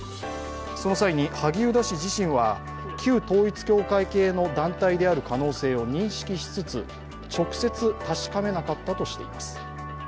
その際に萩生田氏自身は旧統一教会系の団体である可能性を認識しつつ直接確かめなかったとしています。